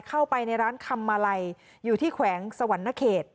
เข้าไปในร้านคำมาลัยอยู่ที่แขวงสวรรณเขต